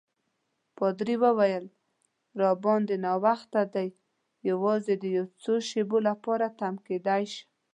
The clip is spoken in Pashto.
پادري وویل: راباندي ناوخته دی، یوازې د یو څو شېبو لپاره تم کېدای شم.